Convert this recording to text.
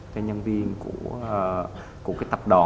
cho nhân viên của tập đoàn